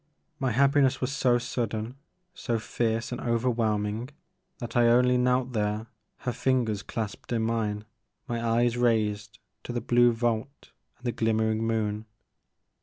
My happiness was so sudden, so fierce and overwhelming that I only knelt there, her fingers clasped in mine, my eyes raised to the blue vault and the glimmering moon.